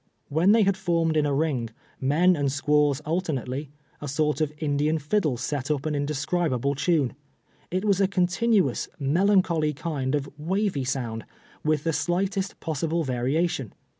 When they had formed in a ring, men and squaws alternately, a sort of Lidian liddle set up an indescribable tune. It was a continuous, melancholy kind of wavy sound, with the slightest possible vari ati<_>n.